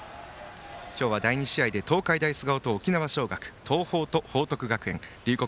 今日は第２試合で東海大菅生と沖縄尚学東邦と報徳学園龍谷